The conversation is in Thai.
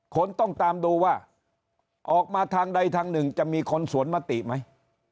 คนต้องตามดูว่าออกมาทางใดทางหนึ่งจะมีคนสวนมติไหม